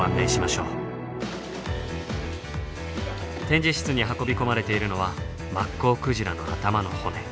展示室に運び込まれているのはマッコウクジラの頭の骨。